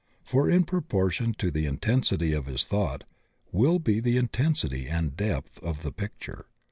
For in pro portion to the intensity of his thought will be the intensity and depth of the picture.